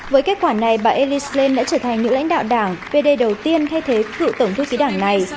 với kết quả này bà elis lane đã trở thành những lãnh đạo đảng pd đầu tiên thay thế cựu tổng thư ký đảng này